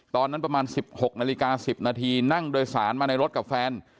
ตอนนั้นประมาณ๑๖นาฬิกา๑๐นาทีนั่งโดยสารมาในรถกับแฟน